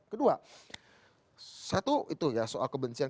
kedua satu itu ya soal kebencian